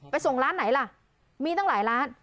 ส่งร้านไหนล่ะมีตั้งหลายร้าน